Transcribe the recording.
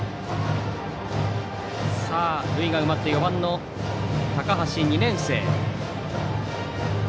塁が埋まって、４番の高橋２年生。